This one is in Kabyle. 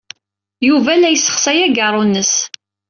Yuba la yessexsay ageṛṛu-nnes.